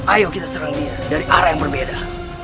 ayo kita serang dia dari arah yang berbeda